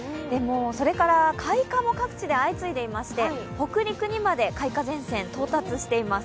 それから開花も各地で相次いでいまして、北陸にまで開花前線到達しています。